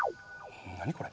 何これ？